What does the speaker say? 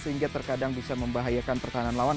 sehingga terkadang bisa membahayakan pertahanan lawan